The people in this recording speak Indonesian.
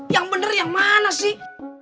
yang benar yang mana sih